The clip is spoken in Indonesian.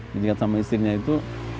dijegat sama istrinya itu